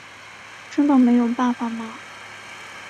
真的没有办法吗？